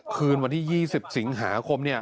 คืนวันที่๒๐สิงหาคมเนี่ย